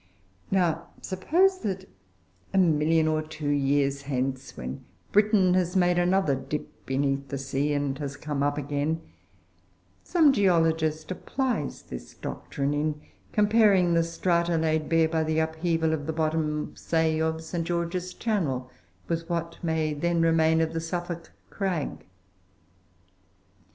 Now suppose that, a million or two of years hence, when Britain has made another dip beneath the sea and has come up again, some geologist applies this doctrine, in comparing the strata laid bare by the upheaval of the bottom, say, of St. George's Channel with what may then remain of the Suffolk Crag.